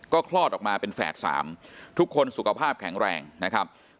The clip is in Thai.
ก็คลอดออกมาเป็นแฝดสามทุกคนสุขภาพแข็งแรงนะครับ